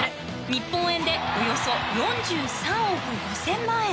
日本円でおよそ４３億５０００万円。